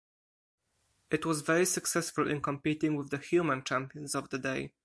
It was very successful in competing with the human champions of the day.